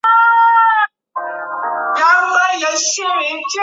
劳动群众。